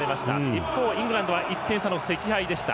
一方、イングランドは１点差の惜敗でした。